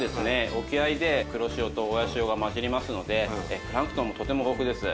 沖合で黒潮と親潮が混じりますのでプランクトンがとても豊富です。